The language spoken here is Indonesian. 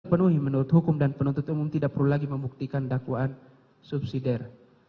penuhi menurut hukum dan penuntut umum tidak perlu lagi membuktikan dakwaan subsidi